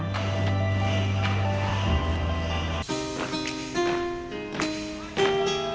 mereka bisa mencoba untuk mencoba untuk mencoba